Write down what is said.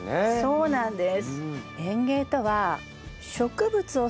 そうなんです。